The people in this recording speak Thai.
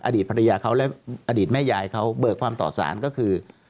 อดีตภรรยาเขาและอดีตแม่ยายเขาเบิกความต่อสารก็คือ